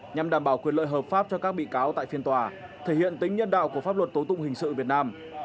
nhằm đảm bảo quyền lợi hợp pháp cho các bị cáo tại phiên tòa thể hiện tính nhân đạo của pháp luật tố tụng hình sự việt nam